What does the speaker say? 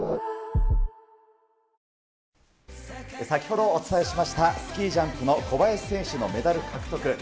先ほどお伝えしましたスキージャンプの小林選手のメダル獲得。